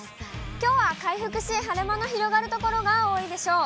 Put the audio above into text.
きょうは回復し、晴れ間の広がる所が多いでしょう。